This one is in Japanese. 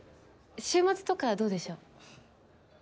週末とかどうでしょう？